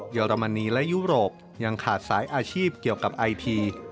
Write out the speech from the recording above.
อรมนีและยุโรปยังขาดสายอาชีพเกี่ยวกับไอที